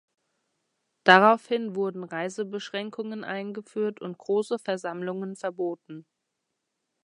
Daraufhin wurden Reisebeschränkungen eingeführt und große Versammlungen verboten.